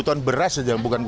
sekarang berapa sih pak